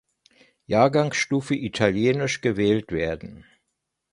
Jahrgangsstufe Italienisch gewählt werden.